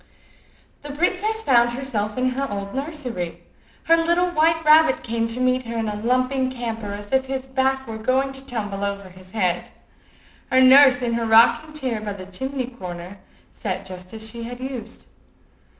The princess found herself in her old nursery. Her little white rabbit came to meet her in a lumping canter as if his back were going to tumble over his head. Her nurse, in her rocking chair by the chimney corner, sat just as she had used.